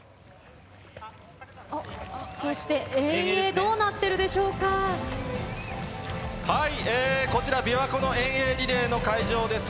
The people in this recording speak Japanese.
そして遠泳、どうなってるでこちら、びわ湖の遠泳リレーの会場です。